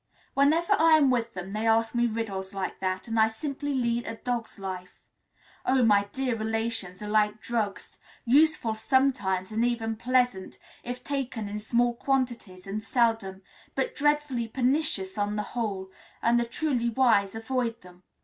Whenever I am with them they ask me riddles like that, and I simply lead a dog's life. Oh, my dear, relations are like drugs, useful sometimes, and even pleasant, if taken in small quantities and seldom, but dreadfully pernicious on the whole, and the truly wise avoid them."